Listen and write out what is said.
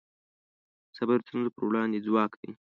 صبر د ستونزو پر وړاندې ځواک دی.